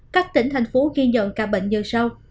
các tỉnh thành phố ghi nhận ca bệnh giờ sau